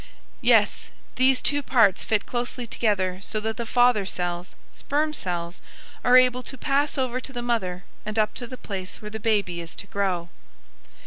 "Yes, these two parts fit closely together so that the father cells (sperm cells) are able to pass over to the mother and up to the place where the baby is to grow."